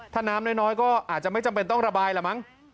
ถ้าน้ำน้อยก็อาจจะไม่จำเป็นต้องระบายละมั้ง